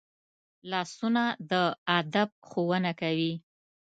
لاسونه د ادب ښوونه کوي